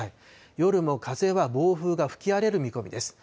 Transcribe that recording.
夜も風は暴風が吹き荒れる見込みです。